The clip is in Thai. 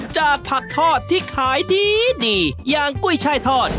จากผักทอดที่ขายดีอย่างกุ้ยช่ายทอด